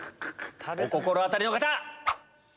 お心当たりの方！